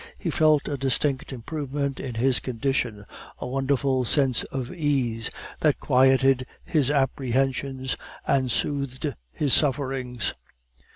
He felt a distinct improvement in his condition, a wonderful sense of ease, that quieted his apprehensions and soothed his sufferings.